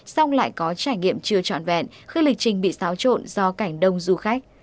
song lại có trải nghiệm chưa tròn vẹn khi lịch trình bị xáo trộn do cảnh đông du khách